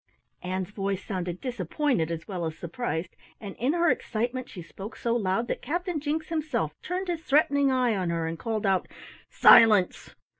Ann's voice sounded disappointed as well as surprised, and in her excitement she spoke so loud that Captain Jinks himself turned his threatening eye on her and called out: "Silence!"